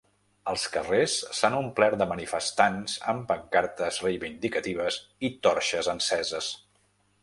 Els carrers s’han omplert de manifestants amb pancartes reivindicatives i torxes enceses.